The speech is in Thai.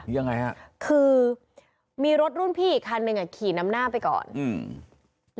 ยังไงฮะคือมีรถรุ่นพี่อีกคันหนึ่งอ่ะขี่นำหน้าไปก่อนอืม